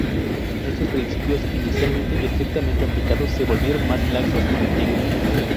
Estos principios, inicialmente estrictamente aplicados, se volvieron más laxos con el tiempo.